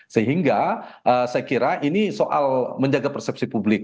sehingga saya kira ini soal menjaga persepsi publik